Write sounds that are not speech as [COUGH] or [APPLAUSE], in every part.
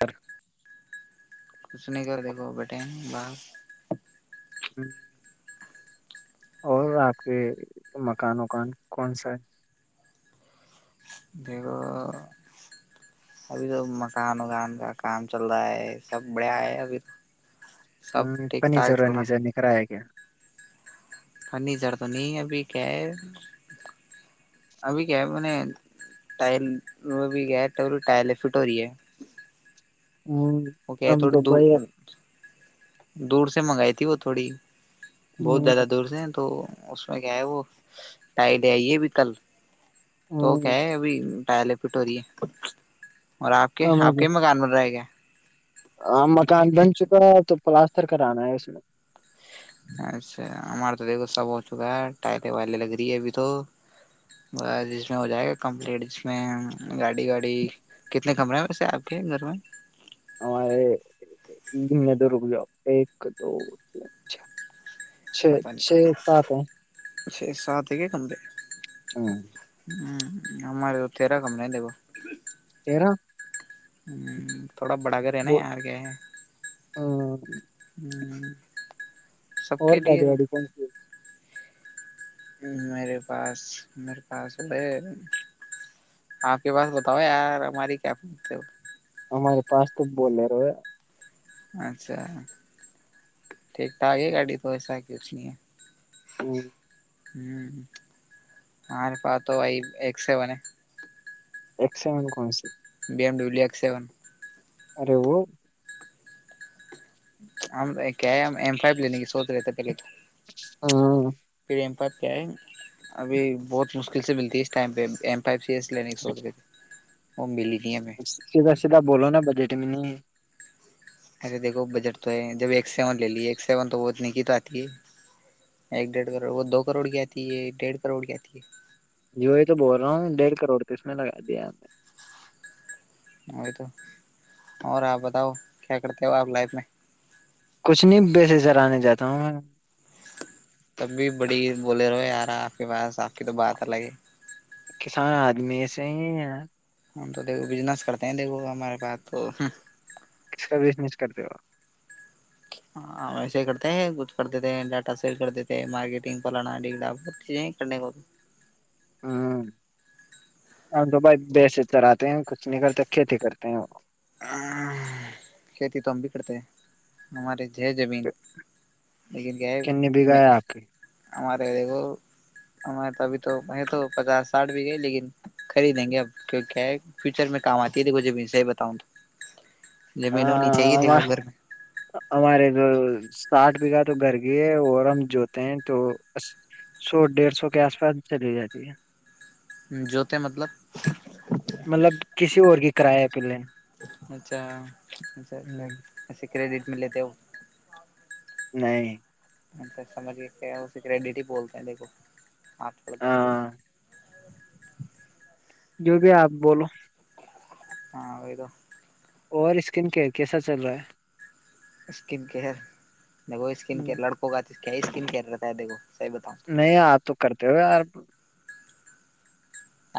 اور [INAUDIBLE] [INAUDIBLE] ہ اور آپ کے مکان وکان کون سا ہے [INAUDIBLE] ابھی تو مکان وکان کا کام چل رہا ہے سب بڑھیا ہے ابھی تو ہ پن سر ر نہیں سر ن کرر ہے کیا فرنیچر تو نہیں ابھی کیا ہے ابھی کیا ہے ٹائل ابھی کیا ہے ٹائل فٹ ہو رہی ہے وہ کیا ہے تھوڑی دور [INAUDIBLE] دور سے منگائی تھی وہ تھوڑی بہت زیادہ دور سے ہیں تو اس میں کیا ہے وہ ٹائیڈے آئیے ابھی کل تو کہ ابھی کٹل پٹ وے اور آپ کے آپ کے مکان پر رہے گیا ہاں مکان بن چکا ہے تو پلاسر کرانا ہے اس میں اچھا ہمارا تو دیکھو سب ہو چکا ہے ٹائریں وائریں لگ رہی ہے ابھی تو بس جس میں ہو جائے گا کمپلیٹ ج میں گاڑی واڑی کتنے کمرے ہیں ویسے آپ کے گھر میں ہمے نے تو رک جو ایک دو اچھا چھ چھ سات ہیں ش سا ت کمتے ہاں ہوں ہمارے تو تیرہ کم نہیں دیگ تیرہ نہیں نہیں تھوڑا بڑا گ رہنے دو ہے ہیں کیا [INAUDIBLE] اور کے لیے گاڈی والاڑی کون سی میرے پاس میرے پاس بائی آپ کے پاس بتاؤ یار ہماری کیا ہمارے پاس تو بول رہے رہ اچھا ٹھیک تھا آگے گاڑی تو ایسا یہھی لیے ھم ہار پ تو وائی ایک سے بنے ایکسمین کون سے B M W X seven ارے وہ ہم کیا ایم فائی لینے کی سوچ رہے تھ پہلے تو ہاں پ پہ ابھی بہت مشکل سے ملتی ہے اس ٹائم پہ ایم پائپ سے کیس لنے سوود رہ تھ امیلی سیدا سیدھا بولو نا بجےٹ میں نہیں ایسے دیکھو بجٹ تو ہے جب ایک سیون لے لی ایک سیون تو وہ اتنے کی تو آتی ہے ایک ڈیڑھ کروڑ وہ دو کروڑ کی آتی ہے ڈیڑھ کروڑ کی آتی ہے جو ہی تو بول رہا ہوں ڈیڑھ کروڑ کس میں لگا دیا ہم نے وہی تو اور آپ بتاؤ کیا کرتے ہو آپ لائف میں کچھ نہیں بیس سر آنے جاتا ہوں میں تب بھی بڑی بولے رہو یارا آپ کے پاس آپ کی تو بات الگ ہی کسان آدمی ا سے ہی ہے ہم تو دیکھو بزنس کرتے ہیں دیکھو ہمارے پاس تو ک کا بزنس کرتے ہو ہاں وسے ہی کرتے ہیں کچھ کر دیتے ہیں ڈاٹا سیل کر دیتے مارکیٹنگ فلانا ڈا ب چیزیں کرنے کا ہ ہم تو بھائی بیس چراتے ہیں کچھ نہیں کرتے کھیتی کرتے ہیں وہ کھیتی تو ہم بھی کرتے ہیں ہمارے ہے زمین لیکن کیا ہے کنی بگا میں ہے آخری ہمارے دیکھو ہمارے ابھی تو تو پچاس ساٹھ بھی گئے لیکن خریدیں گے اب کی کیا ہے فیوچر میں کام آتی ہے دیکھب سے ہی بتاؤں تو زمین ہونی چاہیے ہاں دیکھو گھر ہمار تو ساٹھ بیگھہ تو گھر گ ہے اور ہم جوتے ہیں تو سو ڈیڑھ سو کے آس پاس چلی جاتی ہے جوتے مطلب کرا پہلے اچھا اچھا اچھا کریڈٹ ملے تھے نہیں سر سمجھ گئے کہ اس سے کریڈٹ ہی بولتے ہیں دیکھو آپ پڑا جانتے نہی ہاں جو بھی آپ بولو ہاں وہئی تو اور اسکن کیئر کیسا چل رہا ہے اسکن کیر دیکھو اسکین ہے کیئر لڑکوں کا کیا ہی اسکن کیئر رہتا ہے دیکھ کو نہیں آپ تو کرتے ہوئے یار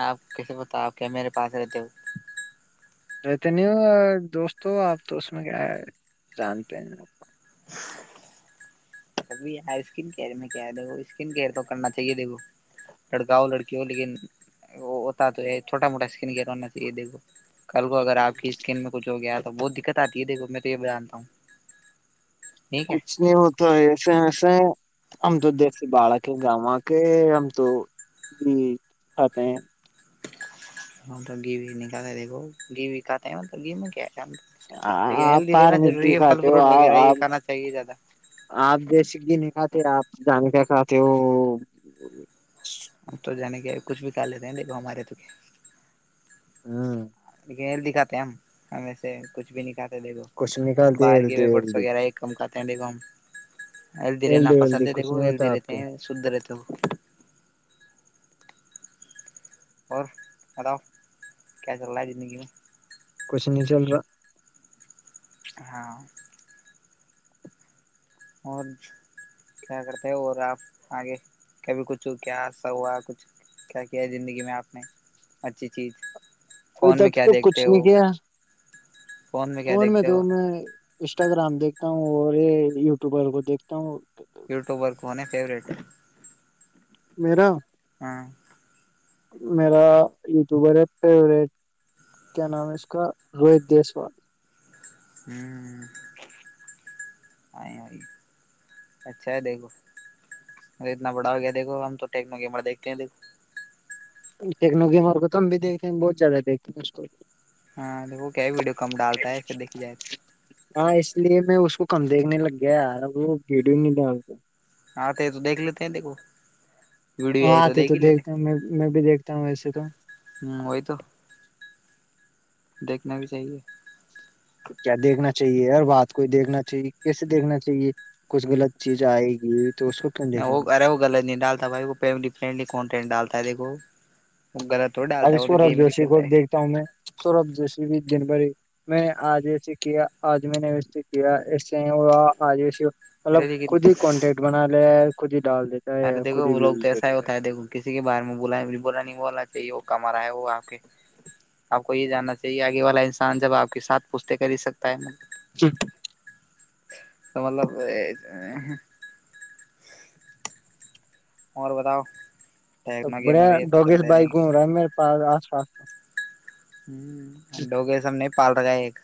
آپ کیسے پتا آپ کیا میرے پاس رہتے ہو دوستوں آپ تو اس میں کیا ہے جانتے ہیںگ [UNINTELLIGIBLE] ابھیار اسکن کیئر میں کیا ہے دیکھو اسکن کیئر تو کرنا چاہیے دیکھو لڑکاؤ لڑکیوں لیکن وہ ہوتا تو یہ چھوٹا موٹا اسکن کیئر ہونا چاہیے دیکھو کل کو اگر آپ کی اسکن میں کچھ ہو گیا بہت دقت آتی ہے دیکھو میں تو یہ بتانتا ہوں ٹھیک ہے کچھ نہیں ہوتا ہے ہم تو دیسی بالک ہے گاما کے ہم تو بھی کھاتے ہیں ہم تو گو ہی نہیں کھاتے دیکھو گھی میں کیا ہے لیکن آپ ہیلدی پار رہنا م گی ضروری ہے پھل کھاتے ہو فروٹ آ وغیرہ یہ آپ کھانا چاہیے زیادہ آپ جیس گی نہیں کھاتے آپ جان کیا کتے وہ تو جان گ کچھ بھی کھا لیتے ہیں دیکھو ہمارے تو کیا ہوں دکھاتے ہیں ہمیں سے کچھ بھی نہیں کیا دیکھو کچھ نکالتے باہر کے ہیلدی و فس ہیلدی وغیرہ کم کرتے تنڈی گم اللد رہے ن ہیلدی پسند ہیلدی ہے کچھ دےھو نہیں یہلد ہوتا آپ رہتے کے ہیں سندر و اور بتاؤ کیا چل رہا ہے زندگی میں کچھ نہیں چل رہا ہاں اور کیا کرتے ہیں اور آپ آگے کبھی کچھ کیا حصہ ہوا کچھ کیا کیا ہے زندگی میں آپ نے اچھی چیز اب فون میں تک کیا تو کچھ دیکھتے ہو نہیں کیا کیا فون میں دیکھتے تو ہو میں انسٹاگرام دیکھتا ہ تا ہوں اور یہ یوٹیوبر کو دیکھتا ہوں یوٹیوبر کو ہونے فیوریٹ ہے میرا ہاں میرا تو برے فیوریٹ کیا نام ہے اس کا روہت دیسوال ہ اچھا ہے دیکھو مے اتنا بڑا ہو گیا دیکھو ہم تو ٹیکنا کیمرہ دیکھتے ہیں دیکھو یکنوکمور کو تو ہم بھی دیکھتے ہیں بہت زیادہ دھتے ہیں کو ہاں تو وہ کیا ہے ویڈیو کم ڈالتا ہے ایسے دیکھ جائے وہ کم دیکھنے لگ گیا ہے یار وہ بھیڑ بھی نہیں دیا کو آتے تو دیکھ لیتے ہیں دیکھو ویڈیو ہاں آئی آتے دیکھ تو ہی لیتے ہ دیکھتے ہیں میں میں بھی دیکھتا ہوں ویسے تو وہی تو دیکھنا بھی چاہیے کیا دیکھنا چاہیے ہر بات کوئی دیکھنا چاہیے کیسے دیکھنا چاہیے کچھ غلط چیز آئے گی تو اس کو کیوں دیکھیں وہ گے ارے وہ غلط نہیں ڈالتا بھائی وہ فلی کانٹینٹ ڈالتا ہے دیکھو غلط تھوڑی ڈالتا ابھی ہے وہ تو سورب گیم ہی تو جوشی کو کھیلتا ہے بھی دیکھتا ہوں میں سورب جوشی بھی جنوری میں نے آج اییے کیا آج میں نے و سے کیا اس سے ہو آج ای مطلب ارے لیکن خود ہی کانٹٹ بنا ل خود ہی ڈال دی ارے دیکو وہ لوگ تو ایسا ہی ہوتا ہے دیکو کسی کے بار میں بولا ہے بولا نہیں بولا وہ کم رہا ہے وہ آپ کے آپ کو یہ جاننا چاہیے آگے والا انسان جب آپ کے ساتھ پوچتے کر ہی سکتا ہے جچھ تو مطلب اور بتاؤ سب ٹیکنا بڑھیا گیمر یہ تو ڈوگی سے چلتے بھائی رہیں گھوم رہا ہے میرے پاس آس پاس تو ہ لوگے سب نے پال رکھا ایک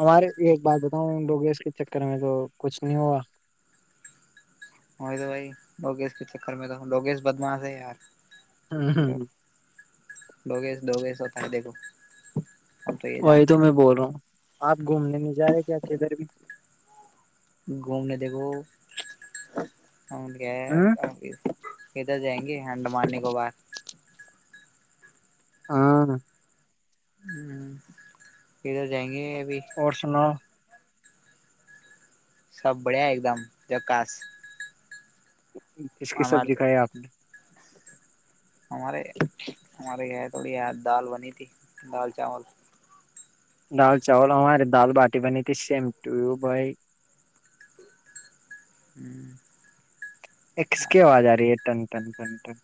ہمارے ایک بات ہ لوگیس کے چکر میں تو کچھ نہیں ہوا وہی تو بائی لوگیش کے چکر میں تو لوگیش بدماس ہے یار ہاں ہاں ہ ڈوگش دووگیش ہوتا ہے دیکھو ہم یہ وہی تو جانتے میں ہیں بول رہا ہوں آپ گھومنے نہیں جا رہے کیا کدھر بھی گھومنے دبو ہم کیا ہ کدھر جائیں گے گ ہڈ ماننے کو بار ہاں ہ ادھر جائیں گے ابھی اور سنا سب بڑھیا ایک دم جکاس کس کیس ہمارے سبزی کھائی آپ نے ہمارے ہمارے یہاں تھوڑی یہ دال بنی تھی دال چاول دال چاول ہمارے دال باٹی بنی تھی سیم ٹوب بائی [INAUDIBLE] اس کیواز آ رہی ہے تن تن تن تن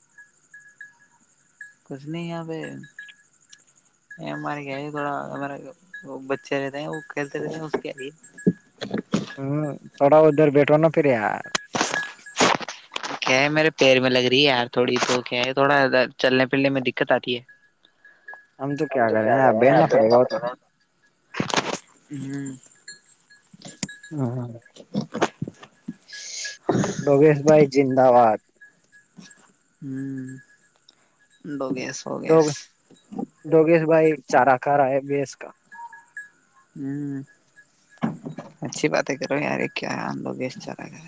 کچھ نہیں یہاں پہ ہمارے کیا تھوڑا ہمارے وہ بچے رہتے ہیں وہ کھیلتے رہتے ہیںے ہوں تھوڑا ادھر بیٹھا نہ پریا کیا ہے میرے پیر میں لگ رہی ہے یار تھوڑی تو کیا ہے تھوڑا چلنے پھرنے میں دقت آتی ہے ہم تو سم توو کیا یار بیلنا کریں پڑے نہ گا وہ تو پڑ [UNINTELLIGIBLE] بھائی شہباز [UNINTELLIGIBLE] ہو گیا ڈگ ڈوگیش بھائی چارہ کارا ہے بیس کا ہوں ت کریر اری کیا انندو ب چار گا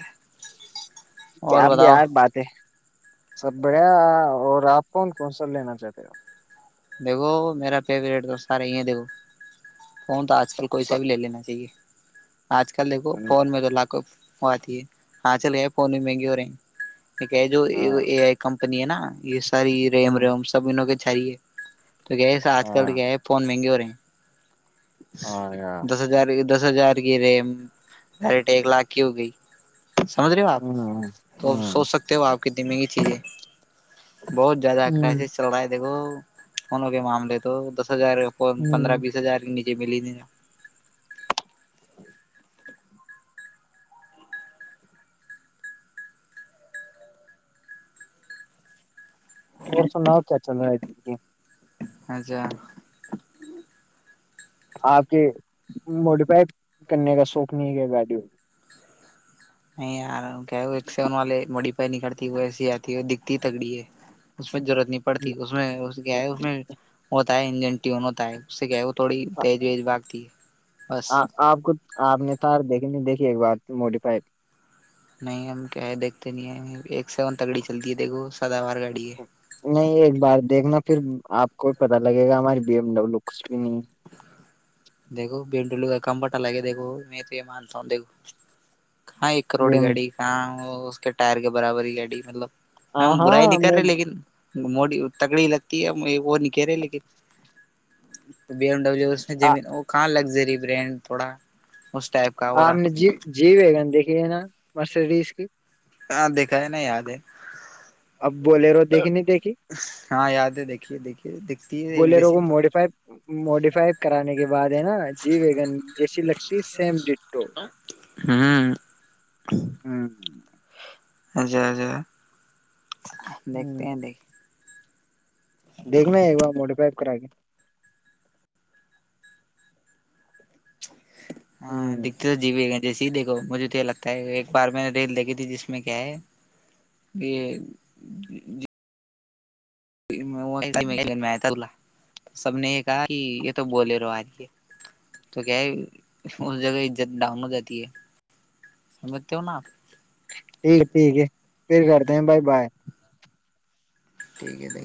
کیا آپ بھی آ بات ہے سب بڑھیا اور آپ کون کون سا لینا چاہتے ہوا دیکھو میرا فیوریٹ تو سارا ہی ہے دیکھو کون تو آج کل کوسا بھی سر لے لینا چاہیے آج کل دیکھو فون میں تو لاکھو وہ آتی ہے ہاں چل گ فون بھی مہنگے ہو رہے ہیں کیا جوئی ہاں ای ائے کن نا یہ ساری ریم ہاں روم سب انوں کے چاہیے تو کیا ہے س آج کل تو ہاں کیا ہے فون مہنگ ہو رہ ہیں [INAUDIBLE] ہ دس ہزار دس ہزار کی رےم ڈرٹ ایک لاکھ کی ہو گئی سمجھ رہے ہو آپ ہ تو ہ سوچ سکتے ہو آپ د میں کی چیزیں بہت زیادہ کرائسس چل رہا ہے دیکھو ہن ہو کے معاملے تو د ہزارکے فون پندرہ بیس ہزار نیچے جی ٹ ہے اچھا آپ کے موڈیفائی کرنے کا شوق نہیں کیا گڈیو نہیں یار کیا وہ ایک سے والے مڑی میں نہیں کرتا سیاتی دیکتی تگڑی ہے اس ضرورت نہیں پڑتی اس میں کیا ہے اس میں تا ہے انجن ٹیون ہوتا ہے اس سے کیا تھوڑی تیز ویز بھگتی ہے بس آپ آپ کو آپ نے تھا دیکھے نہیں دیکھ ایک بات تو موڈیفائی نہیں ہم کیا ہے دیکھتے نہیں ہیں ایک سون تگڑی چلتی ہے دیکھو سداوار گاڑی ہے نہیں ایک بار دیکھنا پھر آپ کو بھی پتا لگے گا ہماراریے بی ایم ڈبلو بھی نہیں دیکھو بینڈلو کا کمبٹا لگے دھو میں یہ مانتا ہوں دیکھو کہاں ایک کروڑ ب گاڑی کہاں اس کے ٹائر کے برابر ہی گاڑی مطلب ہاں ہم برائی ہاں نہیں کر میں رہے لیکن موڑ تگڑیلتیک گرے ل کے بھی میں زمین وہ کہاں لگژری برینڈ تھوڑا اس ٹائپ کا ہو اپ رہا نے جی جی دیکھیں نا مرسیڈیز ہاں دیکھا نا یاد ہے اب بولے رہو دیکھی نہیں دیکھی ہاں یاد ہے دیکھیے دیکھیے دکھتی ہے ایک بولے رہو جیسی وہ تو موڈیفائی موڈیفائی کرانے کے بعد ہے نا جی ویگن جیسی لگتی سیم ڈٹ ہوں ہ جی جی دیکھتے ہ ہیں دیکھتے دیکھنا ایکار موٹے پائپ کرا کے ہاں ہ دیکھیے تو جیے جیسے ہی دیکھو مجھے تو یہ لگتا ہے ایک بار میں نے ریل دیکھی تھی جس میں کیا ہے یہ وہ سب نے یہ کہا کہ یہ تو بولے رہو آجے تو کیا ہے اس جگہ عزت ڈاؤن ہو جاتی ہے سمجھتے ہو نا آپ ٹھیک ہے پھر کرتے ہیں بھائی بات ٹھیک ہے دھے